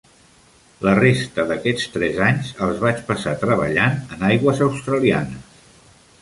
La resta d'aquests tres anys els vaig passar treballant en aigües australianes.